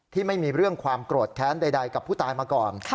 ไม่มีเรื่องความโกรธแค้นใดกับผู้ตายมาก่อน